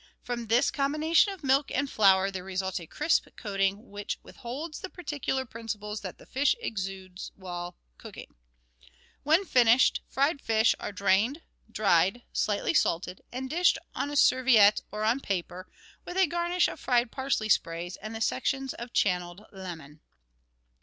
From this combination of milk and flour there results a crisp coating which withholds those particular principles that the fish exude while cooking. When finished, fried fish are drained, dried, slightly salted, and dished on a serviette or on paper, with a garnish of fried parsley sprays and sections of channelled lemon.